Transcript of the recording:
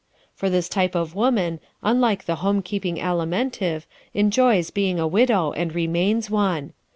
For this type of woman, unlike the home keeping Alimentive, enjoys being a widow and remains one.